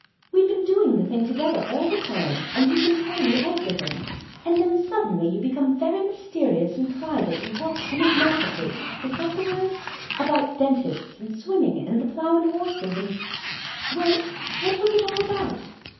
We'd been doing the thing together all the time, and you'd been telling me everything, and then suddenly you become very mysterious and private and talk enigmatically—is that the word?—about dentists and swimming and the 'Plough and Horses,' and—well, what was it all about?